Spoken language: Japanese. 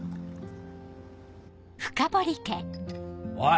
おい！